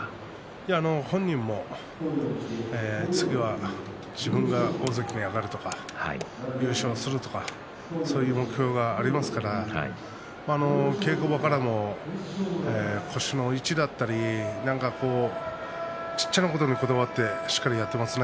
本人も次は自分が大関に上がるとか優勝するとかそういう目標がありますから稽古場から腰の位置だったり小っちゃなことにこだわってしっかりとやっていますよ。